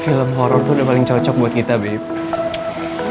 film horror tuh udah paling cocok buat kita bib